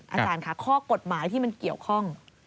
อาจารย์ค่ะข้อกฎหมายที่มันเกี่ยวข้อง